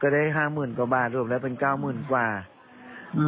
ได้ห้ามึนบาทรวมและเป็นเก้ามึนบาท